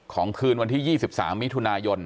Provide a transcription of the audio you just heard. คืนวันที่๒๓มิถุนายน